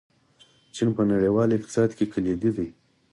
چین په نړیوال اقتصاد کې کلیدي دی.